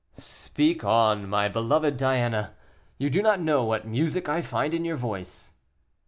"Speak on, my beloved Diana; you do not know what music I find in your voice."